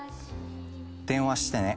電話してね」